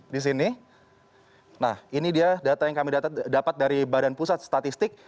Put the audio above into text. di sini nah ini dia data yang kami dapat dari badan pusat statistik